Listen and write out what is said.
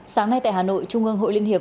sáng nay tại hà nội trung ương hội liên hiệp